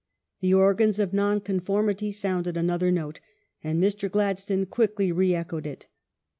The organs of Nonconformity sounded another note, and Mr. Gladstone quickly re echoed it.